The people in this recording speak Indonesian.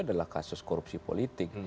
adalah kasus korupsi politik